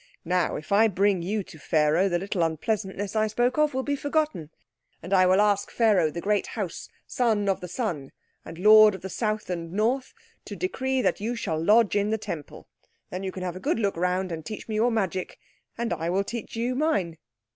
"Now if I bring you to Pharaoh the little unpleasantness I spoke of will be forgotten. And I will ask Pharaoh, the Great House, Son of the Sun, and Lord of the South and North, to decree that you shall lodge in the Temple. Then you can have a good look round, and teach me your magic. And I will teach you mine."